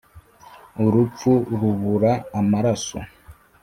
urupfu rubura amaraso,